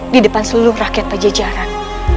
di depan seluruh rakyat pajajaran